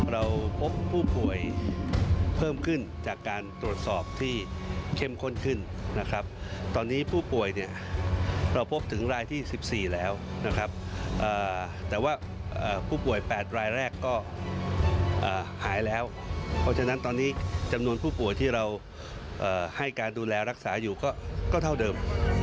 เราพบผู้ป่วยเพิ่มขึ้นจากการตรวจสอบที่เข้มข้นขึ้นนะครับตอนนี้ผู้ป่วยเนี่ยเราพบถึงรายที่๑๔แล้วนะครับแต่ว่าผู้ป่วย๘รายแรกก็หายแล้วเพราะฉะนั้นตอนนี้จำนวนผู้ป่วยที่เราให้การดูแลรักษาอยู่ก็เท่าเดิม